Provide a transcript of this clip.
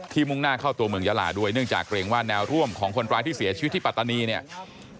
มุ่งหน้าเข้าตัวเมืองยาลาด้วยเนื่องจากเกรงว่าแนวร่วมของคนร้ายที่เสียชีวิตที่ปัตตานีเนี่ย